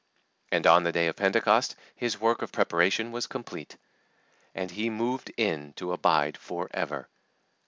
And on the day of Pentecost His work of preparation was complete, and He moved in to abide for ever.